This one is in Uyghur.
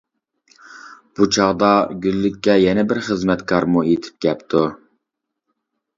بۇ چاغدا گۈللۈككە يەنە بىر خىزمەتكارمۇ يېتىپ كەپتۇ.